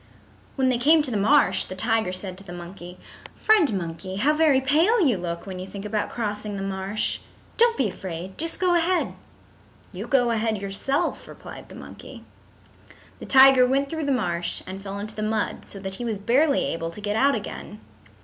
When they came to the marsh the tiger said to the monkey, "Friend Monkey, how very pale you look when you think about crossing the marsh. Don't be afraid. Just go ahead." "You go ahead yourself," replied the monkey. The tiger went through the marsh and fell into the mud so that he was barely able to get out again.